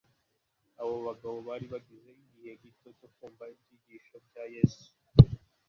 Abo bagabo bari bagize igihe gito cyo kumva ibyigisho bya Yesu.